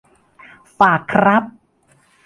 ฝากครับ